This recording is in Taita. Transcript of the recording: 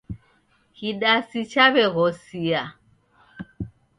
Kidasi chaw'eghosia.